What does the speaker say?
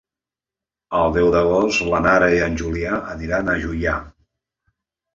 El deu d'agost na Nara i en Julià aniran a Juià.